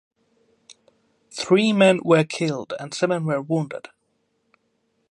Three men were killed and seven were wounded.